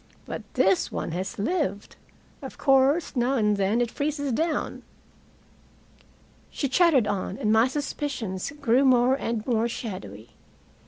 But this one has lived. Of course now and then it freezes down." She chattered on, and my suspicions grew more and more shadowy.